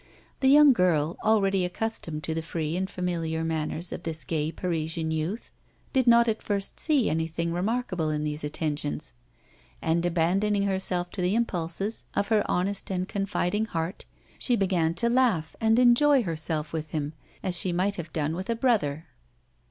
The young girl, already accustomed to the free and familiar manners of this gay Parisian youth, did not at first see anything remarkable in these attentions; and, abandoning herself to the impulses of her honest and confiding heart, she began to laugh and enjoy herself with him as she might have done with a brother.